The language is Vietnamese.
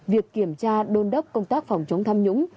việc kiểm tra đôn đốc công tác phòng chống tham nhũng